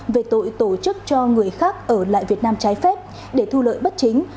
về tội tổ chức cho người khác ở lại việt nam trái phép để thu lợi bất chính